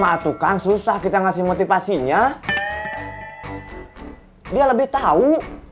motivator matuh kang susah kita ngasih motivasinya dia lebih tahu